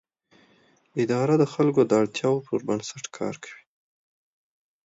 اداره د خلکو د اړتیاوو پر بنسټ کار کوي.